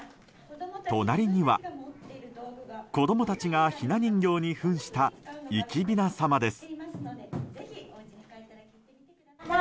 隣には子供たちがひな人形に扮した生きびなさまです。